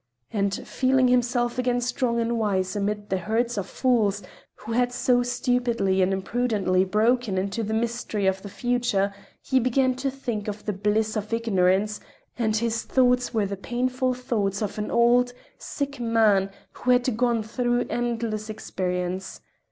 And, feeling himself again strong and wise amidst the herd of fools who had so stupidly and impudently broken into the mystery of the future, he began to think of the bliss of ignorance, and his thoughts were the painful thoughts of an old, sick man who had gone through endless experience.